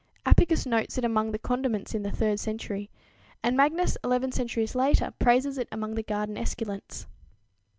Apicus notes it among the condiments in the third century, and Magnus eleven centuries later praises it among the garden esculents.